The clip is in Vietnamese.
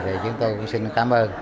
thì chúng tôi cũng xin cảm ơn